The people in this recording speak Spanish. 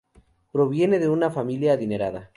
Proviene de una familia adinerada.